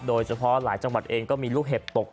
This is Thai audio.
โดยเฉพาะหลายจังหวัดเองก็มีลูกเห็บตก